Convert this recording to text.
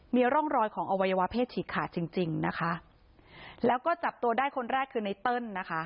มีร่องรอยของอวัยวะเพศฉีกขาดจริงจริงนะคะแล้วก็จับตัวได้คนแรกคือไนเติ้ลนะคะ